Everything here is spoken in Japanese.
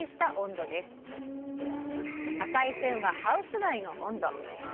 赤い線はハウス内の温度。